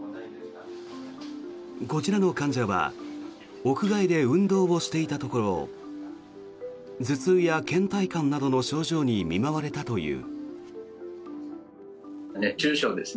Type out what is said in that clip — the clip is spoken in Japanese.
こちらの患者は屋外で運動をしていたところ頭痛やけん怠感などの症状に見舞われたという。